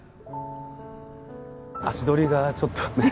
足取りがちょっとねえ？